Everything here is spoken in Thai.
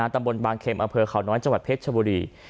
ตำบลบางเข็มอำเภอเขาน้อยจังหวัดเพชรชบุรี